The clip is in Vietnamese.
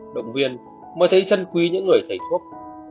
động viên mới thấy chân quý những người thầy thuốc